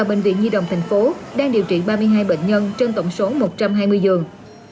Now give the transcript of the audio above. bệnh viện nhi đồng tp hcm đang điều trị ba mươi hai bệnh nhân trên tổng số một trăm hai mươi giường